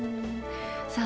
さあ